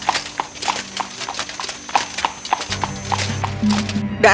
kuda kuda yang menjauhkan dirinya